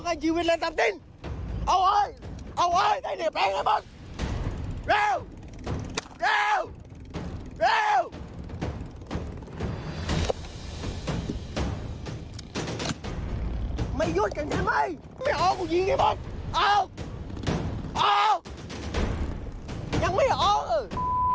พวกมันเคยมาพวกมีนักแทนเผนแปลงดิพวกเผนเคยมาจากชาวบ้านไงมาค่ายพวกนี่เหรอ